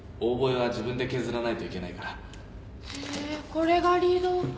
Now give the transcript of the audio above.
これがリード？